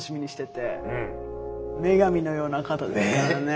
女神のような方ですからね。